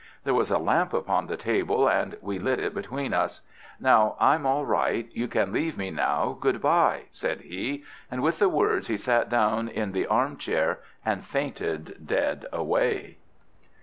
There was a lamp upon the table, and we lit it between us. "Now, I'm all right. You can leave me now! Good bye!" said he, and with the words he sat down in the arm chair and fainted dead away.